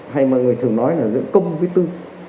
hay mọi người thường nói là giữa công với tư